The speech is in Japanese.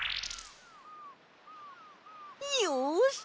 よし！